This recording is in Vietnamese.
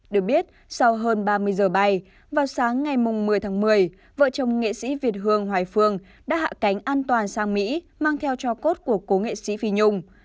được biết sau hơn ba mươi giờ bay vào sáng ngày một mươi tháng một mươi vợ chồng nghệ sĩ việt hương hoài phương đã hạ cánh an toàn sang mỹ mang theo cho cốt của cố nghệ sĩ phi nhung